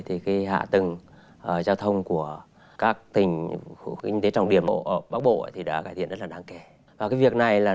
hạ tầng giao thông của các tỉnh kinh tế trọng điểm bắc bộ đã cải thiện rất đáng kể